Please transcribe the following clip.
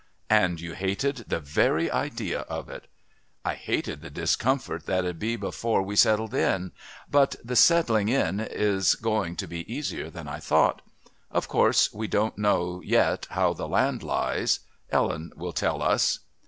"And you hated the very idea of it." "I hated the discomfort there'd be before we settled in. But the settling in is going to be easier than I thought. Of course we don't know yet how the land lies. Ellen will tell us."